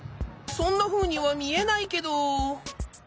そんなふうにはみえないけど。